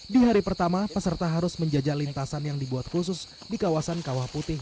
di hari pertama peserta harus menjajah lintasan yang dibuat khusus di kawasan kawah putih